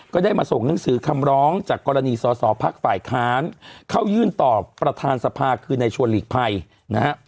ได้มาส่งหนังสือคำร้องจากกรณีสอสอพักฝ่ายค้านเข้ายื่นต่อประธานสภาคือในชวนหลีกภัยนะฮะ